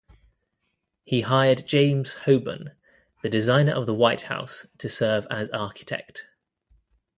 He hired James Hoban, the designer of the White House, to serve as architect.